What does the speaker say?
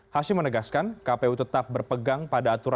hashim menegaskan kpu tetap berpegang pada aturan